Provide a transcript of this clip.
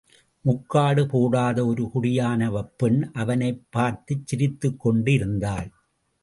முக்காடு போடாத ஒரு குடியானவப் பெண் அவனைப் பார்த்துச் சிரித்துக்கொண்டு இருந்தாள்.